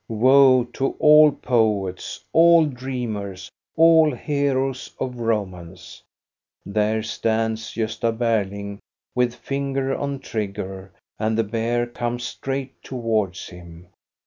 Woe to all poets, all dreamers, all heroes of romance ! There stands Gosta Berling with finger on trigger, and the bear comes straight towards him.